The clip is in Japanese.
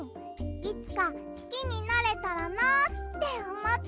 いつかすきになれたらなあっておもってかいたの。